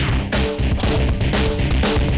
nggak akan ngediam nih